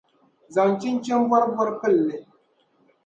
zaŋ chinchin’ bɔribɔri pili li.